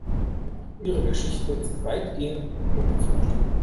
Ihre Geschichte ist weitgehend unerforscht.